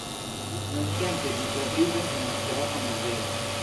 Nuntempe ĝi troviĝas en Ostrava muzeo.